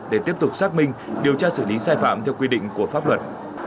để tiếp tục xác minh điều tra xử lý sai phạm theo quy định của pháp luật